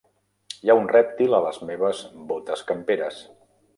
Hi ha un rèptil a les meves botes camperes.